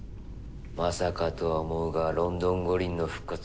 まさかとは思うがロンドン五輪の復活はないよな？